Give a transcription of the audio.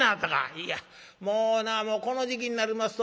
「いやもうこの時期になりますとね